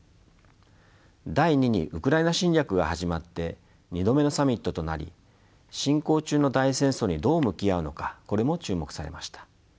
第２にウクライナ侵略が始まって２度目のサミットとなり進行中の大戦争にどう向き合うのかこれも注目されました。